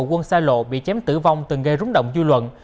quân xa lộ bị chém tử vong từng gây rúng động dư luận